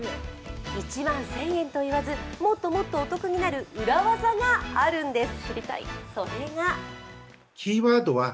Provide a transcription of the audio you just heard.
１万１０００円といわずもっともっとお得になる裏ワザがあるんです。